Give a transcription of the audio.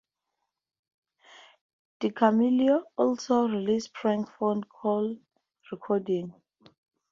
DiCamillo also released prank phone call recordings.